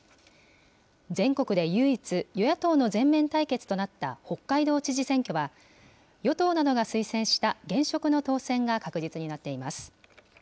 全国で唯一、与野党の全面対決となった北海道知事選挙は、与党などが推薦した現職の当選が確実になっています。